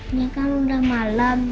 ini kan udah malam